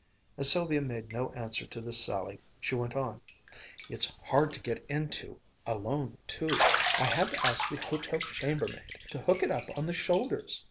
As Sylvia made no answer to this sally, she went on: "It's hard to get into alone, too. I had to ask the hotel chambermaid to hook it up on the shoulders."